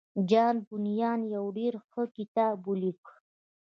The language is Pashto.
جان بونيان يو ډېر ښه کتاب وليکه.